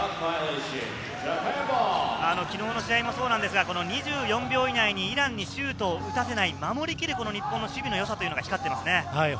昨日の試合もそうですが、２４秒以内にイランにシュートを打たせない、守りきる日本の守備の良さが光っていますね。